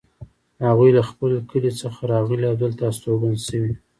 هغوی له خپل کلي څخه راغلي او دلته استوګن شوي